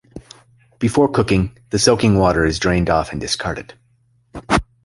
Before cooking, the soaking water is drained off and discarded.